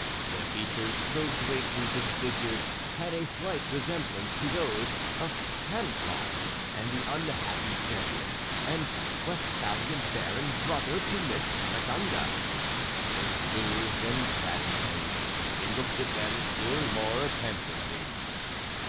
Their features though greatly disfigured, had a slight resemblance to those of Pangloss and the unhappy Jesuit and Westphalian Baron, brother to Miss Cunegonde. This moved and saddened him. He looked at them still more attentively.